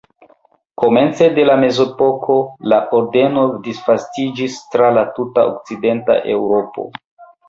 Komence de la mezepoko la ordeno disvastiĝis tra la tuta okcidenta Eŭropo.